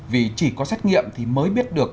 vì chỉ có xét nghiệm thì mới biết được